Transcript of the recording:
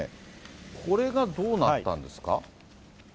これがどうなったんですか。